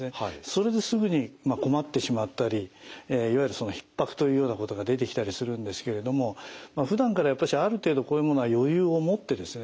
それですぐに困ってしまったりいわゆるひっぱくというようなことが出てきたりするんですけれどもふだんからやっぱりある程度こういうものは余裕を持ってですね